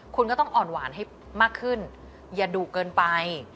คุณก็ต้องอ่อนหวานให้มากขึ้นอย่าดุเกินไป